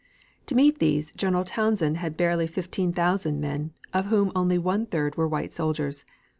To meet these, General Townshend had barely fifteen thousand men, of whom only one third were white soldiers.